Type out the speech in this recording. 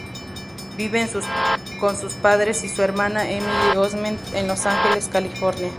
Vive con sus padres y su hermana Emily Osment en Los Ángeles, California.